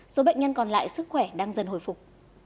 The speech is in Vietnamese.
số bệnh nhân còn lại sức khỏe đang dần hồi phục